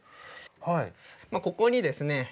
ここにですね